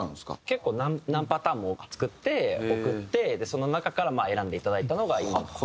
結構何パターンも作って送ってその中から選んでいただいたのが今のっていう形ですね。